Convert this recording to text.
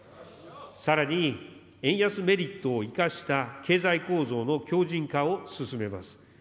さらに、円安メリットを生かした経済構造の強じん化を進めます。